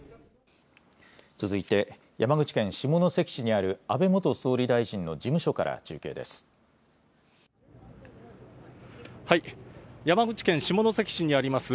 続いて山口県下関市にある安倍元総理大臣の事務所から中継です。